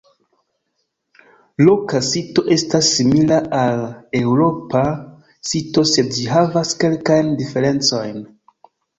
Roka sito estas simila al eŭropa sito sed ĝi havas kelkajn diferencojn.